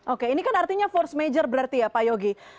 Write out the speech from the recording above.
oke ini kan artinya force major berarti ya pak yogi